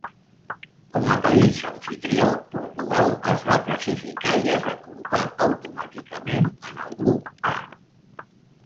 Com a país amfitrió, Portugal es va classificar i es va col·locar automàticament en el Grup A.